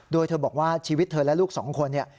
โดยเธอบอกว่าชีวิตเธอและลูกสองคนเนี่ย